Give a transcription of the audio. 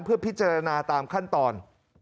เพื่อพิจารณาตามขั้นตอน